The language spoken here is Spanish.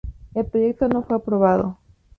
El proyecto no fue aprobado.